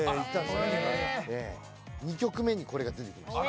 ２曲目にこれが出てきました。